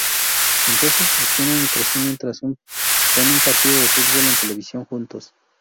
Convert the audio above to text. Entonces, sostienen entre sí, mientras ven un partido de fútbol en televisión juntos.